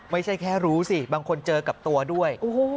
ไม่ใช่แค่รู้สิบางคนเจอกับตัวด้วย